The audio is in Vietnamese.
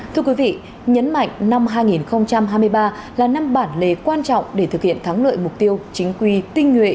thưa quý vị nhấn mạnh năm hai nghìn hai mươi ba là năm bản lề quan trọng để thực hiện thắng lợi mục tiêu chính quy tinh nhuệ